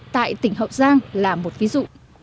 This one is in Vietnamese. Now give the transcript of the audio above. tại tỉnh hậu giang là một ví dụ